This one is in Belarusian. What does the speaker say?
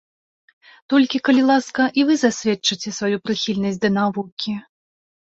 Толькі, калі ласка, і вы засведчыце сваю прыхільнасць да навукі.